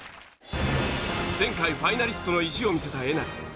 前回ファイナリストの意地を見せたえなり。